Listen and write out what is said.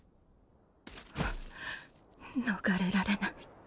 逃れられない